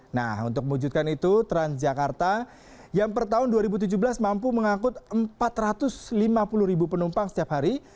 nah untuk mewujudkan itu transjakarta yang per tahun dua ribu tujuh belas mampu mengangkut empat ratus lima puluh ribu penumpang setiap hari